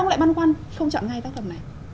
lựa chọn tác phẩm